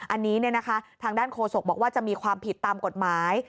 อันนี้ทางด้านโคศกบอกว่าจะมีความผิดตามกฎหมาย